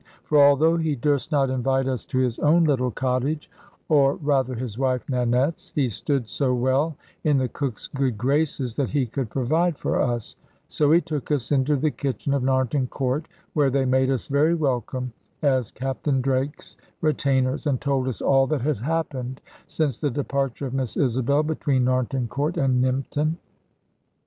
For although he durst not invite us to his own little cottage, or rather his wife Nanette's, he stood so well in the cook's good graces that he could provide for us; so he took us into the kitchen of Narnton Court, where they made us very welcome as Captain Drake's retainers, and told us all that had happened since the departure of Miss Isabel, between Narnton Court and Nympton.